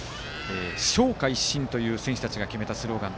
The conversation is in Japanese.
「上下一心」という選手たちが決めたスローガン。